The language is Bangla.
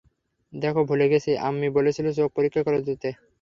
দেখো ভুলে গেছি, আম্মি বলেছিলো চোখ পরীক্ষা করার জন্য যেতে।